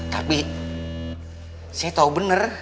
tapi saya tau bener